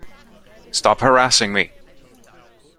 Stop harassing me!